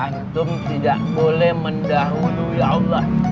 antum tidak boleh mendahulu ya allah